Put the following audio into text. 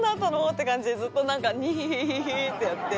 って感じでずっと「ニヒヒヒヒ」ってやって。